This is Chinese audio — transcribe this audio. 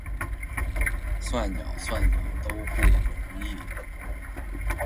算鸟，算鸟，都不容易！